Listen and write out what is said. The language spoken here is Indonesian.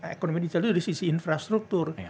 ekonomi digital itu dari sisi infrastruktur